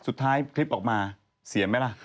สุดท้ายคลิปออกมาเสียไหมล่ะ